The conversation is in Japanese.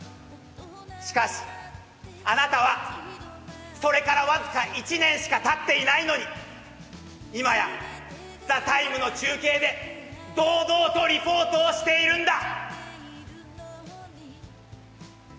しかしあなたはそれから僅か１年しかたっていないのに今や「ＴＨＥＴＩＭＥ，」の中継で堂々とリポートをしているんだ！